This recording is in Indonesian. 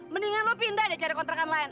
mendingan lo pindah deh cari kontrakan lain